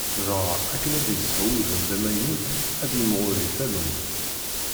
Dɣa, akken ad yesɛu udem d amaynut, ad yimɣur di tallunt.